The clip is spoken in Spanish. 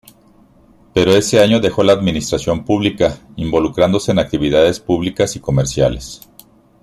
Pero ese año dejó la administración pública, involucrándose en actividades públicas y comerciales.